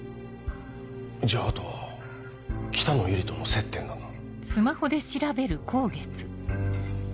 じゃああと北野由里との接点だな。